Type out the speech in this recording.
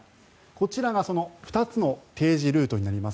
こちらがその２つの提示ルートになります。